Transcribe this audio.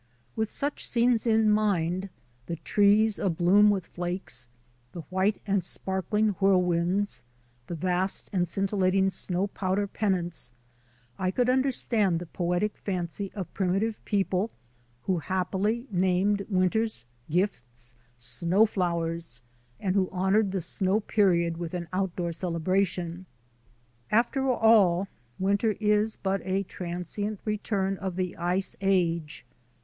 With such scenes in mind — the trees abloom with flakes, the white and sparkling whirlwinds, the vast and scintillating snow powder pennants — I could understand the poetic fancy of primitive people who happily named winter's gifts "snow flowers" and who honoured the snow period with an outdoor celebration. After all, winter is but a transient return of the ice age.